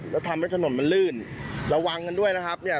แล้วทำให้ถนนมันลื่นระวังกันด้วยนะครับเนี่ย